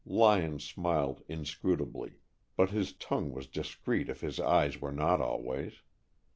Lyon smiled inscrutably, but his tongue was discreet if his eyes were not always.